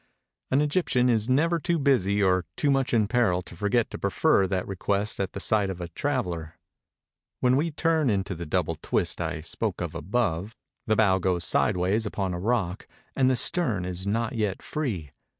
An Egyptian is never too busy or too much in peril to forget to prefer that request at the sight of a traveler. When we turn into the double twist I spoke of above, the bow goes sideways upon a rock, and the stern is not yet free.